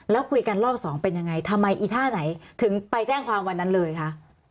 แล้วคุยกันรอบสองเป็นยังไงทำไมอีท่าไหนถึงไปแจ้งความวันนั้นเลยคะ